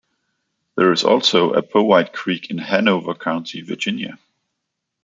There is also a Powhite Creek in Hanover County, Virginia.